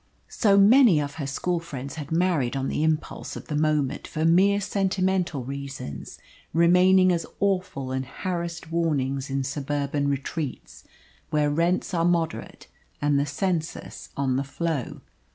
So many of her school friends had married on the impulse of the moment for mere sentimental reasons, remaining as awful and harassed warnings in suburban retreats where rents are moderate and the census on the flow.